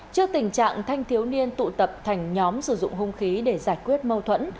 trước tình trạng thanh thiếu niên tụ tập thành nhóm sử dụng hung khí để giải quyết mâu thuẫn